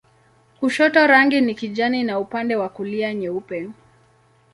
Kushoto rangi ni kijani na upande wa kulia nyeupe.